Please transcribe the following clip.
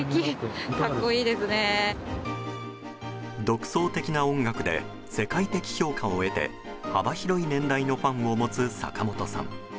独創的な音楽で世界的評価を得て幅広い年代のファンを持つ坂本さん。